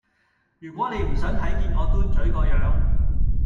如果你唔想睇見我嘟嘴個樣